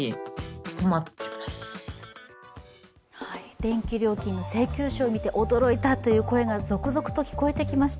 電気料金の請求書を見て驚いたという声が続々と聞こえてきました。